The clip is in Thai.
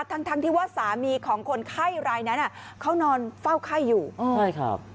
ทั้งทั้งที่ว่าสามีของคนไข้รายนั้นอ่ะเขานอนเฝ้าไข้อยู่ใช่ครับ